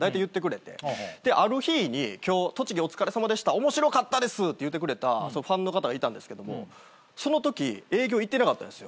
ある日に「今日栃木お疲れさまでした」「面白かったです」って言うてくれたファンの方がいたんですけどもそのとき営業行ってなかったんですよ。